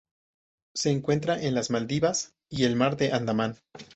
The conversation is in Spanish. Se encuentra en las Maldivas y el Mar de Andaman.